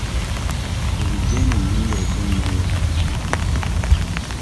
Bulijjo eno ennyumba etonnya yonna?